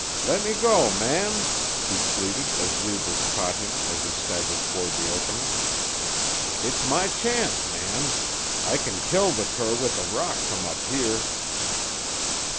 "Lemme go, man!" he pleaded as Reivers caught him as he staggered toward the opening. "It's my chance, man. I can kill the cur with a rock from up here."